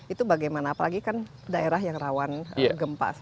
itu bagaimana apalagi kan daerah yang rawan gempa